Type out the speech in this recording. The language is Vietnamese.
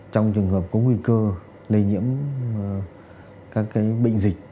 trong trường hợp có nguy cơ lây nhiễm các bệnh dịch